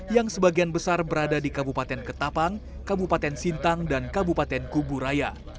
yang sebagian besar berada di kabupaten ketapang kabupaten sintang dan kabupaten kuburaya